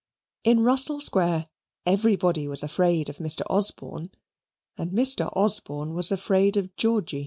In Russell Square everybody was afraid of Mr. Osborne, and Mr. Osborne was afraid of Georgy.